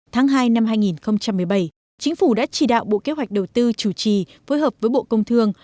tháng hai năm hai nghìn một mươi bảy chính phủ đã chỉ đạo bộ kế hoạch đầu tư chủ trì phối hợp với bộ công thương